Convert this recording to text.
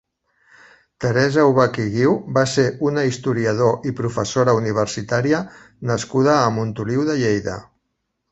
Teresa Aubach i Guiu va ser una historiador i professora universitària nascuda a Montoliu de Lleida.